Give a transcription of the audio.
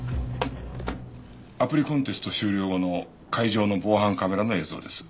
アプリコンテスト終了後の会場の防犯カメラの映像です。